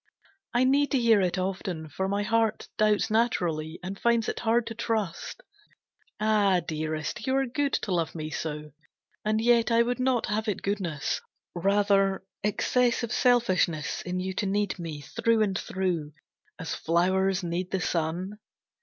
I need to hear it often for my heart Doubts naturally, and finds it hard to trust. Ah, Dearest, you are good to love me so, And yet I would not have it goodness, rather Excess of selfishness in you to need Me through and through, as flowers need the sun.